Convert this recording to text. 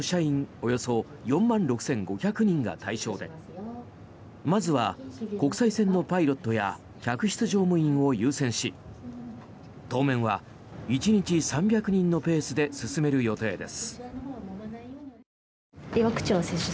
およそ４万６５００人が対象でまずは国際線のパイロットや客室乗務員を優先し当面は１日３００人のペースで進める予定です。